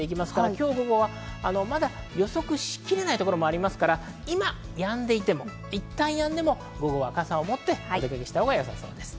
今日午後は予測しきれないところもありますから、今、やんでいてもいったんやんでも、午後は傘を持ってお出かけしたほうがよさそうです。